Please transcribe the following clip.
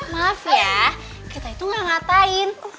maaf ya kita itu gak ngatain